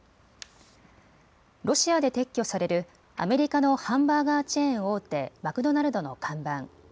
ロシアで撤去されるアメリカのハンバーガーチェーン大手、マクドナルドの看板。